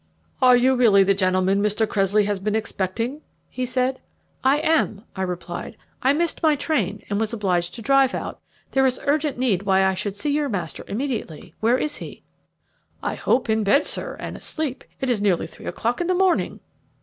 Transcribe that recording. "Are you really the gentleman Mr. Cressley has been expecting?" he said. "I am," I replied; "I missed my train, and was obliged to drive out. There is urgent need why I should see your master immediately; where is he?" "I hope in bed, sir, and asleep; it is nearly three o'clock in the morning."